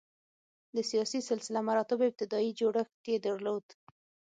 د سیاسي سلسله مراتبو ابتدايي جوړښت یې درلود.